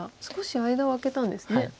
少し間を空けたんですね。